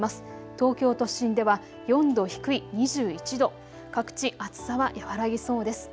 東京都心では４度低い２１度、各地、暑さは和らぎそうです。